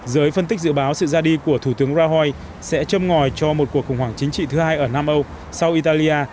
giới phân tích dự báo sự ra đi của thủ tướng rahoi sẽ châm ngòi cho một cuộc khủng hoảng chính trị thứ hai ở nam âu sau italia